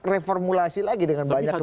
reformulasi lagi dengan banyak kebijakan